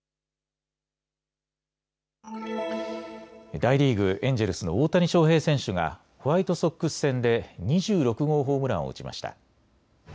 大リーグ、エンジェルスの大谷翔平選手がホワイトソックス戦で２６号ホームランを打ちました。